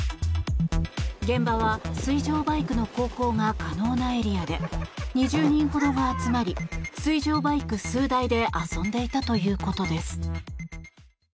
現場は水上バイクの航行が可能なエリアで２０人ほどが集まり水上バイク数台で遊んでいたということです。